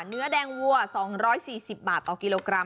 เนื้อแดงวัว๒๔๐บาทต่อกิโลกรัม